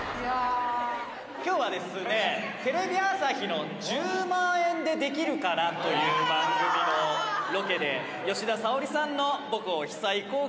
「今日はですねテレビ朝日の『１０万円でできるかな』という番組のロケで吉田沙保里さんの母校久居高校に」